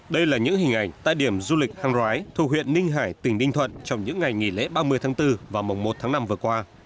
đây là những hình ảnh tại điểm du lịch hàng rói thu huyện ninh hải tỉnh ninh thuận trong những ngày nghỉ lễ ba mươi tháng bốn và mồng một tháng năm vừa qua